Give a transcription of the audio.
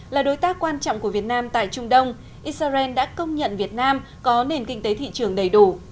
là đối tác quan trọng của việt nam tại trung đông israel đã công nhận việt nam có nền kinh tế thị trường đầy đủ